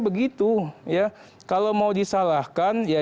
begitu ya kalau mau disalahkan ya